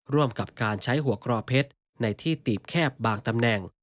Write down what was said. ร่วมกับการใช้หัวกรอเพชรในที่ตีบแคบบางตำแหน่ง